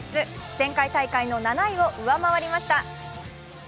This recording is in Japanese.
前回大会の７位を上回りました。